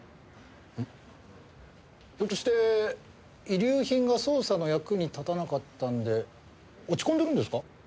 フひょっとして遺留品が捜査の役に立たなかったんで落ち込んでるんですか？